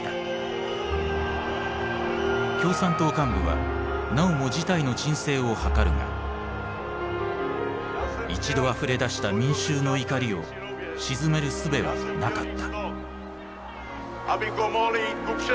共産党幹部はなおも事態の鎮静を図るが一度あふれ出した民衆の怒りを鎮めるすべはなかった。